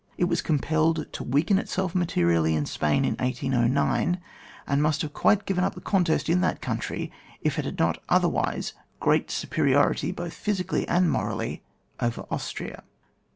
It was com pelled to weaken itself materiallj in Spain in 1809, and must have quite given up the contest in that country if it had not had otherwise great superi ority both physically and morally, over Austria.